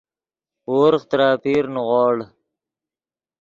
ورغ ترے اپیر نیغوڑ